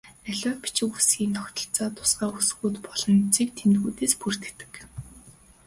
Аливаа бичиг үсгийн тогтолцоо нь тусгай үсгүүд болон цэг тэмдэгтүүдээс бүрддэг.